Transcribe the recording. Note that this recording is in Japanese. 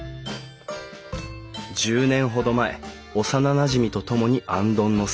１０年ほど前幼なじみと共に行灯の制作を始めた。